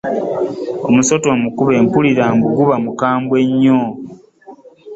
Omusota omukubeko mpulira mbu guba mukambee nnyo.